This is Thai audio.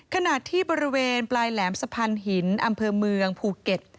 ขณะที่บริเวณปลายแหลมสะพานหินอำเภอเมืองภูเก็ต